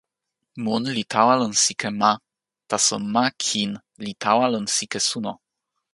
mun li tawa lon sike ma, taso ma kin li tawa lon sike suno.